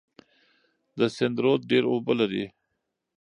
د سند رود ډیر اوبه لري.